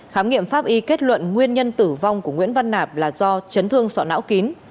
khám nghiệm pháp y kết luận nguyên nhân tử vong của nguyễn văn nạp là do chấn thương sọ não kín